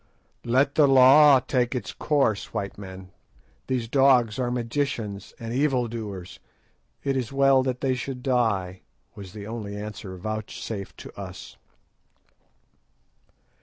"Let the law take its course, white men. These dogs are magicians and evil doers; it is well that they should die," was the only answer vouchsafed to us.